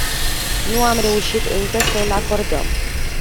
Nu am reușit încă să îl acordăm.